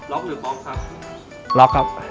ล็อคหรือบล็อคครับล็อคครับ